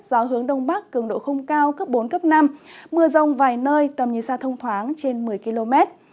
gió hướng đông bắc cường độ không cao cấp bốn cấp năm mưa rông vài nơi tầm nhìn xa thông thoáng trên một mươi km